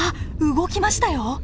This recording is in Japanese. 動きましたよ。